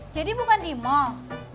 jadi bukan di mall